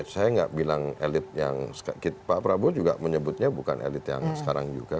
saya nggak bilang elit yang pak prabowo juga menyebutnya bukan elit yang sekarang juga